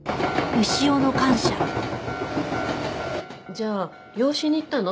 じゃあ養子に行ったの？